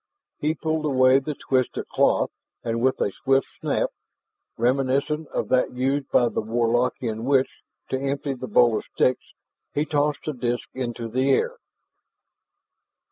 He pulled away the twist of cloth and with a swift snap, reminiscent of that used by the Warlockian witch to empty the bowl of sticks, he tossed the disk into the air.